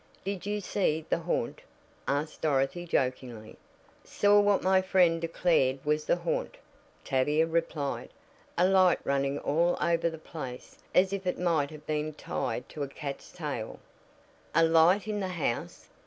"Did you see the 'haunt'?" asked Dorothy jokingly. "Saw what my friend declared was the haunt," Tavia replied, "A light running all over the place as if it might have been tied to a cat's tail." "A light in the house?"